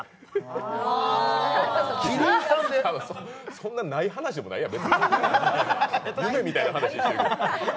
そんな、ない話でもないやん。